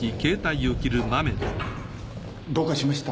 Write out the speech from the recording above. どうかしました？